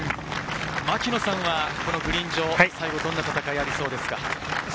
牧野さん、グリーン上、どんな戦いがありそうですか？